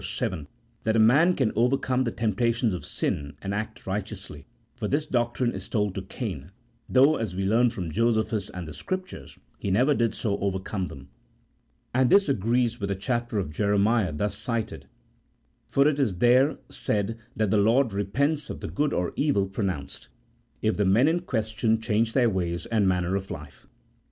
7 that a man can over come the temptations of sin, and act righteously ; for this doctrine is told to Cain, though, as we learn from Josephus and the Scriptures, he never did so overcome them. And this agrees with the chapter of Jeremiah just cited, for it is there said that the Lord repents of the good or the evil pronounced, if the men in question change their ways and manner of life.